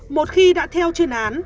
một khi đã theo chuyên án